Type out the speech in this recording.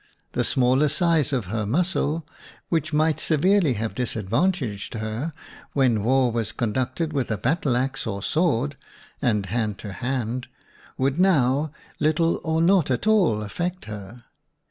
The smaller size of her muscle, which might severely have dis advantaged her when war was con WOMAN AND WAR ducted with a battle axe or sword and hand to hand, would now little or not at all affect her.